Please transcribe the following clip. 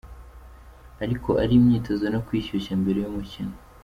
Ariko ari imyitozo no kwishyushya mbere y’umukino .